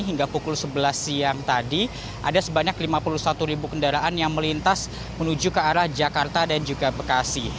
hingga pukul sebelas siang tadi ada sebanyak lima puluh satu ribu kendaraan yang melintas menuju ke arah jakarta dan juga bekasi